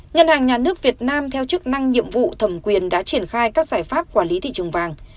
ngân hàng nhà nước việt nam theo chức năng nhiệm vụ thẩm quyền đã triển khai các giải pháp quản lý thị trường vàng